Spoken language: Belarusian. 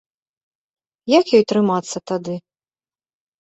Як ёй трымацца тады?